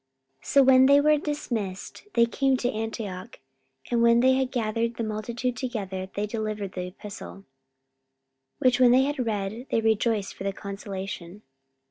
44:015:030 So when they were dismissed, they came to Antioch: and when they had gathered the multitude together, they delivered the epistle: 44:015:031 Which when they had read, they rejoiced for the consolation.